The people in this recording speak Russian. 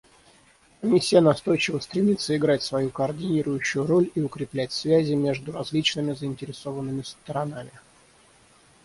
Комиссия настойчиво стремится играть свою координирующую роль и укреплять связи между различными заинтересованными сторонами.